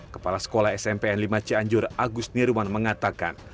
kepala sekolah smpn limaci anjur agus nirwan mengatakan